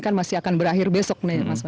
kan masih akan berakhir besok